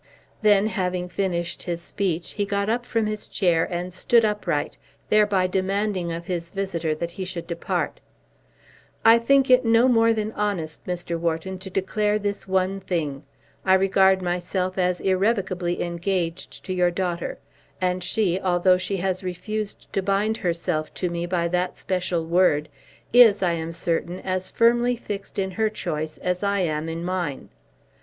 Then, having finished his speech, he got up from his chair and stood upright, thereby demanding of his visitor that he should depart. "I think it no more than honest, Mr. Wharton, to declare this one thing. I regard myself as irrevocably engaged to your daughter; and she, although she has refused to bind herself to me by that special word, is, I am certain, as firmly fixed in her choice as I am in mine.